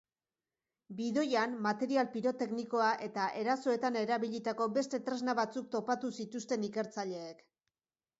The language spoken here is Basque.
Bidoian material piroteknikoa eta erasoetan erabilitako beste tresna batzuk topatu zituzten ikertzaileek.